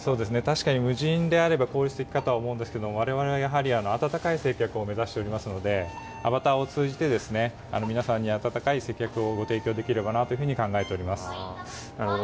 確かに無人であれば効率的かと思うんですけれども、われわれはやはり温かい接客を目指しておりますので、アバターを通じて、みなさんに温かい接客をご提供できればなというふうに考えております。